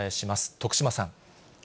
徳島さん。